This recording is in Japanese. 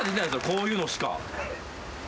こういうのしか。